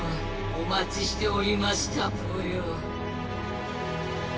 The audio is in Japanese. おまちしておりましたぽよ。